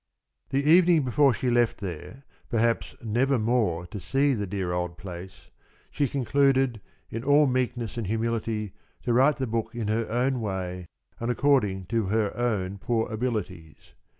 The evening before she left there, perhaps nevermore to see the dear old place, she concluded in all meekness and humility to write the book in her own way and according to her own poor abilities.